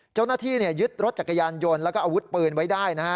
เจ้าหน้าที่ยึดรถจักรยานยนต์แล้วก็อาวุธปืนไว้ได้นะฮะ